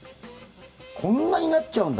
こんなになっちゃうんだ。